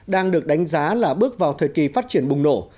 đang được đánh giá là bước vào thời kỳ phát triển bùng nổ